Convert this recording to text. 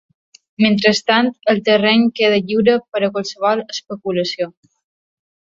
Mentrestant, el terreny queda lliure per a qualsevol especulació.